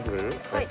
はい。